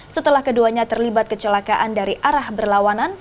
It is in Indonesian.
setelah keduanya terlibat kecelakaan dari arah berlawanan